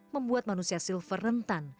membuat manusia silver rentan